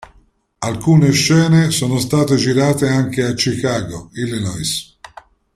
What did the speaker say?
Alcune scene sono state girate anche a Chicago, Illinois.